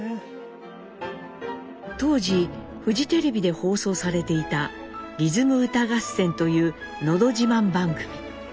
当時フジテレビで放送されていた「リズム歌合戦」というのど自慢番組。